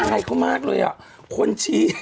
อ้ายมากเลยอ่ะที่ตัวอีก